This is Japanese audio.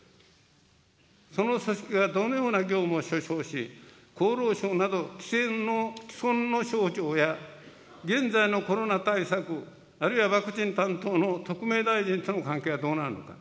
その組織がどのような業務を所掌し、厚労省など既存の省庁や、現在のコロナ対策、あるいはワクチン担当の特命大臣との関係はどうなるのか。